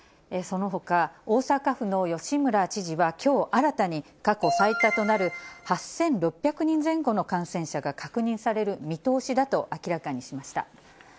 そのほか、大阪府の吉村知事は、きょう新たに、過去最多となる８６００人前後の感染者が確認される見通しだと明らかにしました。